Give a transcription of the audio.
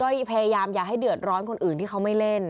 ก็พยายามอย่าให้เดือดร้อนคนอื่นที่เขาไม่เล่น